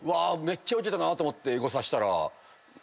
めっちゃウケたなと思ってエゴサしたら。